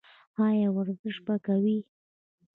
ایا ورزش به کوئ؟